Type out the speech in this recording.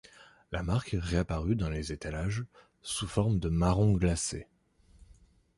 La marque réapparut dans les étalages, sous forme de marrons glacés.